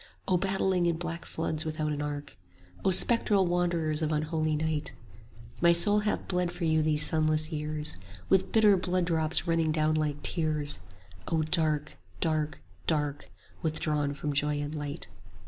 25 O battling in black floods without an ark! O spectral wanderers of unholy Night! My soul hath bled for you these sunless years, With bitter blood drops running down like tears: Oh dark, dark, dark, withdrawn from joy and light!